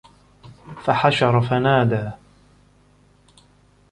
فَحَشَرَ فَنادى